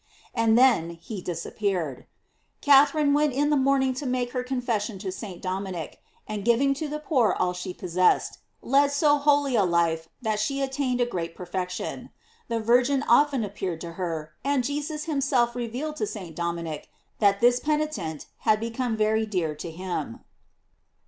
And then he disappeared. Catherine went in the morn ing to make her confession to St. Dominic; and giving to the poor all she possessed, led so holy a life, that she attained to great perfection. The Virgin often appeared to her; and Jesus himself revealed to St. Dominic, that this pen itent had become very dear to him.